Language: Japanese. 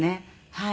はい。